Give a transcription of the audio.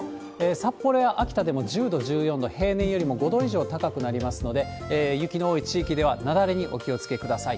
札幌や秋田でも１０度、１４度、平年よりも５度以上高くなりますので、雪の多い地域では、雪崩にお気をつけください。